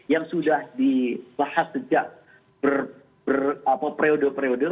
yang sudah dibahas sejak periode periode